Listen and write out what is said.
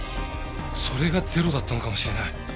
それがゼロだったのかもしれない。